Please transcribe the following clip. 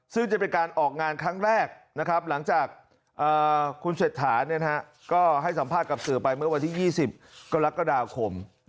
ซึ่งจะเป็นการออกงานครั้งแรกนะครับหลังจากคุณเศรษฐาก็ให้สัมภาษณ์กับสื่อไปเมื่อวันที่๒๐กรกฎาคม